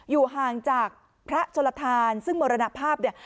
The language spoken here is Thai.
อยู่ห่างจากพระชนลทานซึ่งมรณภาพเนี่ย